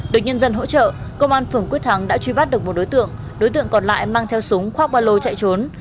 được nhân dân hỗ trợ công an phường quyết thắng đã truy bắt được một đối tượng đối tượng còn lại mang theo súng khoác ba lô chạy trốn